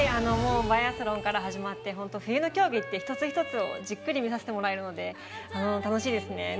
バイアスロンから始まって冬の競技って一つ一つをじっくり見さえてもらえるので楽しいですね。